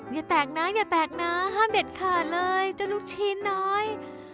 อย่าแตกนะอย่าแตกนะห้ามเด็ดขาดเลยเจ้าลูกชิ้นน้อย